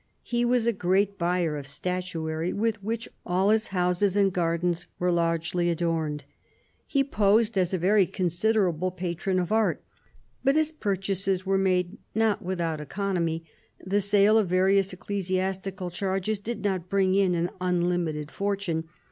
He was a great buyer of statuary, with which all his houses and gardens were largely adorned. He posed as a very considerable patron of art, but his pur chases were not made without economy ; the sale of various ecclesiastical charges did not bring in an unlimited fortune.